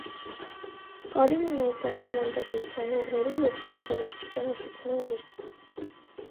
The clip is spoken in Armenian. Կարինը նաև դասավանդել է ուսանողներին և գրել երաժշտության ուսուցման գիրք։